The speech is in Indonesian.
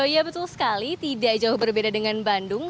ya betul sekali tidak jauh berbeda dengan bandung